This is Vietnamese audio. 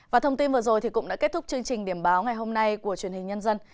và thông tin vừa rồi cũng đã kết thúc chương trình điểm báo ngày hôm nay của truyền hình nhân dân